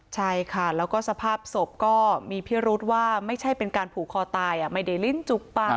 ใช่ค่ะแล้วก็สภาพศพก็มีพิรุษว่าไม่ใช่เป็นการผูกคอตายไม่ได้ลิ้นจุกปาก